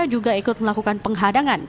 juga ikut melakukan penyelidikan